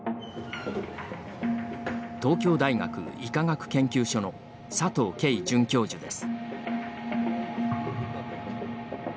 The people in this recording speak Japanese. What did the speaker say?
東京大学医科学研究所の佐藤佳准教授です。